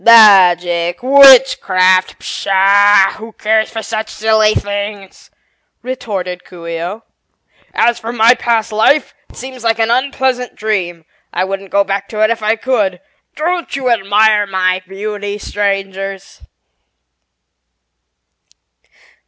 "Magic witchcraft? Pshaw, who cares for such silly things?" retorted Coo ee oh. "As for my past life, it seems like an unpleasant dream. I wouldn't go back to it if I could. Don't you admire my beauty, Strangers?"